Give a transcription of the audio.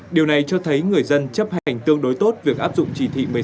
điều này cho thấy người dân chấp hành tương đối tốt việc áp dụng chỉ thị một mươi năm